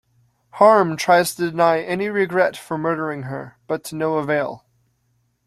Harm tries to deny any regret for murdering her, but to no avail.